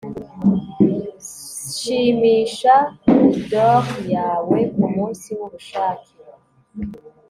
Shimisha boudoir yawe kumunsi wubushake